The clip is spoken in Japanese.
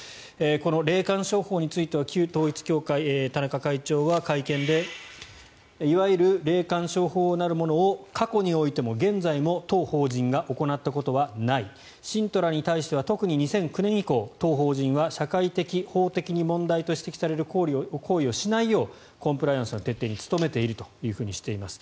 この霊感商法については旧統一教会の田中会長は会見でいわゆる霊感商法なるものを過去においても現在も当法人が行ったことはない信徒らに対しては特に２００９年以降当法人は社会的、法的に問題と指摘される行為をしないようコンプライアンスの徹底に努めているとしています。